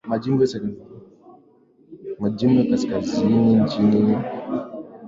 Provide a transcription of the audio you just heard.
majimbo ya kaskazini nchini Marekani Sababu mojawapo muhimu ya